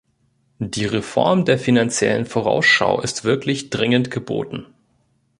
Die Reform der Finanziellen Vorausschau ist wirklich dringend geboten.